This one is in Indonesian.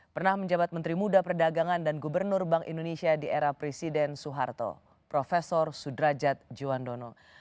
pernah menjabat menteri muda perdagangan dan gubernur bank indonesia di era presiden soeharto prof sudrajat juandono